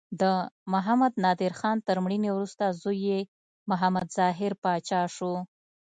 د محمد نادر خان تر مړینې وروسته زوی یې محمد ظاهر پاچا شو.